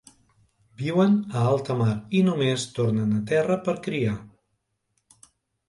Viuen a alta mar i només tornen a terra per criar.